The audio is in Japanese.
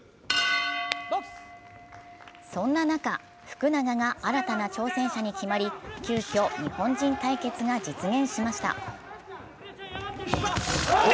そんな中、福永が新たな挑戦者に決まり、急きょ、日本人対決が実現しました。